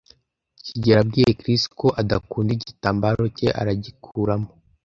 kigeli abwiye Chris ko adakunda igitambaro cye, aragikuraho.